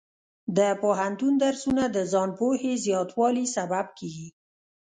د پوهنتون درسونه د ځان پوهې زیاتوالي سبب ګرځي.